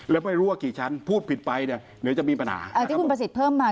แล้วไม่รู้ว่ากี่ชั้นพูดผิดไปเนี่ยเดี๋ยวจะมีปัญหาที่คุณประสิทธิ์เพิ่มมา